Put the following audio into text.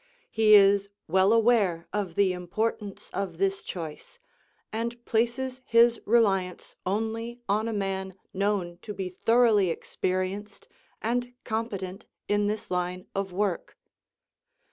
He is well aware of the importance of this choice, and places his reliance only on a man known to be thoroughly experienced and competent in this line of work.